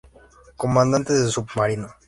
Comandante de submarino.